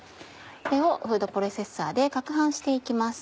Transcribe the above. これをフードプロセッサーで攪拌して行きます。